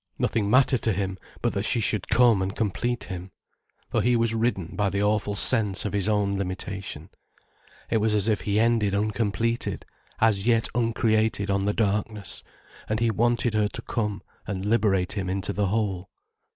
Nothing mattered to him but that she should come and complete him. For he was ridden by the awful sense of his own limitation. It was as if he ended uncompleted, as yet uncreated on the darkness, and he wanted her to come and liberate him into the whole.